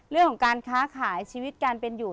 เรื่องของการค้าขายชีวิตการเป็นอยู่